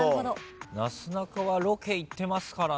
なすなかはロケ行ってますからね。